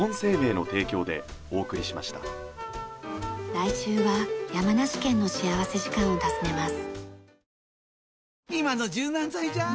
来週は山梨県の幸福時間を訪ねます。